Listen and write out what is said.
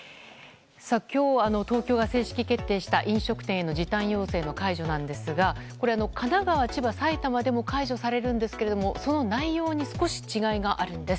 今日、東京が正式決定した飲食店への時短要請の解除なんですが神奈川、千葉、埼玉でも解除されるんですけどその内容に少し違いがあるんです。